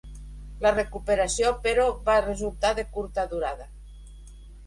La recuperació, però, va resultar de curta durada.